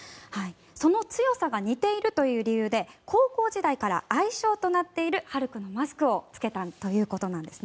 その強さが似ているという理由で高校時代から愛称となっているハルクのマスクを着けたということです。